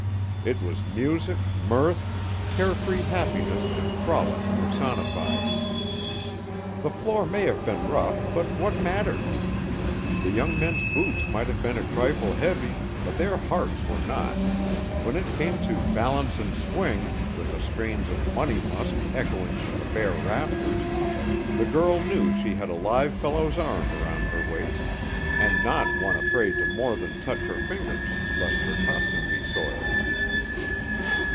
It was music, mirth, care free happiness and frolic personified. The floor may have been rough, but what mattered? The young men's boots might have been a trifle heavy, but their hearts were not, and when it came to "balance and swing," with the strains of "Money Musk" echoing from the bare rafters, the girl knew she had a live fellow's arm around her waist, and not one afraid to more than touch her fingers lest her costume be soiled.